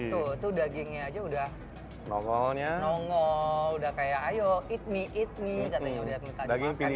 tuh tuh dagingnya aja udah nongol udah kayak ayo eat me eat me katanya udah makan dari tadi